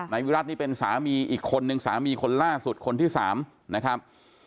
วิรัตินี่เป็นสามีอีกคนนึงสามีคนล่าสุดคนที่๓นะครับ